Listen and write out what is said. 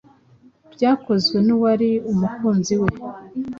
byakozwe n’uwari umukunzi we